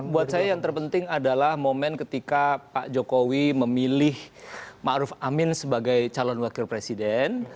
buat saya yang terpenting adalah momen ketika pak jokowi memilih ⁇ maruf ⁇ amin sebagai calon wakil presiden